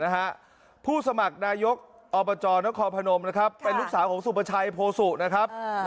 ผู้สมัครนายกอบจนครพนมนะครับเป็นลูกสาวของสุประชัยโพสุนะครับ